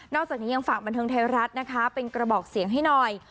จากนี้ยังฝากบันเทิงไทยรัฐนะคะเป็นกระบอกเสียงให้หน่อย